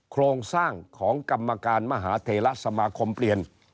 โครงสร้างของกรรมการมหาเทระสมาคมเปลี่ยน